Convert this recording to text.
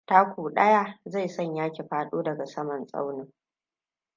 Taku ɗaya zai sanya ki faɗo daga saman tsaunin.